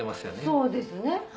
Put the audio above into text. そうですね。